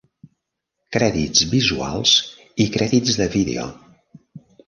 Crèdits visuals i crèdits de vídeo.